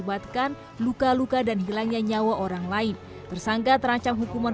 atau tertahan di laminatik tersebut